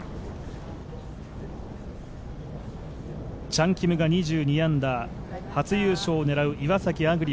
チャン・キムが２２アンダー、初優勝を狙う岩崎亜久竜